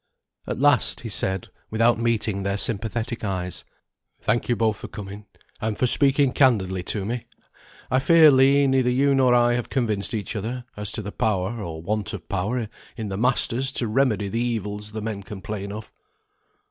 At last he said, without meeting their sympathetic eyes, "Thank you both for coming, and for speaking candidly to me. I fear, Legh, neither you nor I have convinced each other, as to the power, or want of power, in the masters to remedy the evils the men complain of."